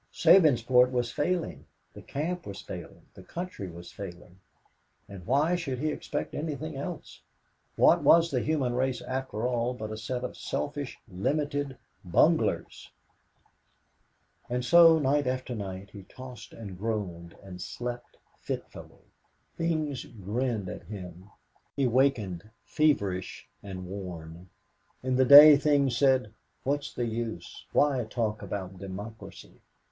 Sabinsport was failing, the camp was failing, the country was failing. And why should he expect anything else? What was the human race, after all, but a set of selfish, limited bunglers? And so, night after night, he tossed and groaned, and slept fitfully. Things grinned at him. He wakened feverish and worn. In the day things said, "What's the use? Why talk about democracy?